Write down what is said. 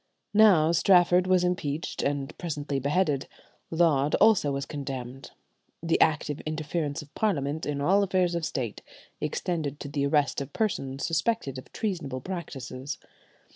Now Strafford was impeached and presently beheaded; Laud also was condemned. The active interference of Parliament in all affairs of State extended to the arrest of persons suspected of treasonable practices.